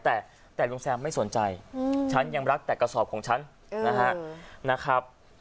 แต่ลุงแซมไม่สนใจฉันยังรักแต่กระสอบของฉันนะครับ